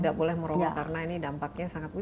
karena ini dampaknya sangat